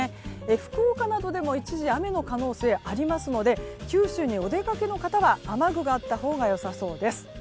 福岡などでも一時雨の可能性がありますので九州にお出かけの方は雨具があったほうがよさそうです。